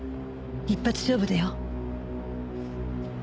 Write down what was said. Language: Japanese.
一発勝負だよ。